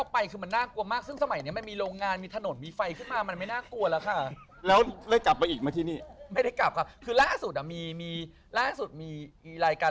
อ๋อเพราะว่าตอนนี้ยังกลับไปดูกันอีกหรอ